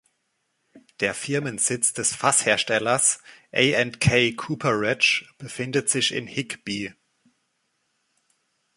Der Firmensitz des Fass-Herstellers A&K Cooperage befindet sich in Higbee.